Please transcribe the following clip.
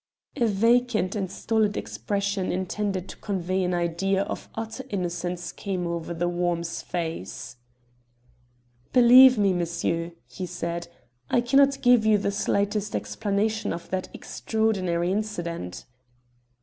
A vacant and stolid expression intended to convey an idea of utter innocence came over "The Worm's" face. "Believe me, monsieur," he said, "I cannot give you the slightest explanation of that extraordinary incident."